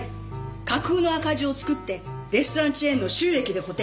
架空の赤字を作ってレストランチェーンの収益で補填。